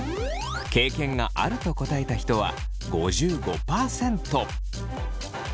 経験があると答えた人は５５％。